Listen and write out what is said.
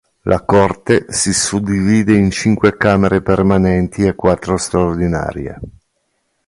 La corte si suddivide in cinque camere permanenti e quattro straordinarie.